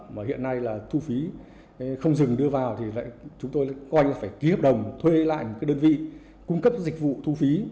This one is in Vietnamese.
mà hiện nay là thu phí không dừng đưa vào thì chúng tôi coi là phải ký hợp đồng thuê lại một cái đơn vị cung cấp dịch vụ thu phí